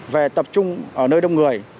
về tập trung ở nơi đông người